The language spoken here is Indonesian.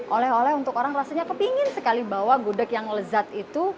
oleh oleh untuk orang rasanya kepingin sekali bawa gudeg yang lezat itu